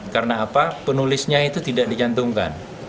karena apa penulisnya itu tidak dicantumkan